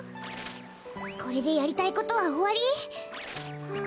これでやりたいことはおわり？ん？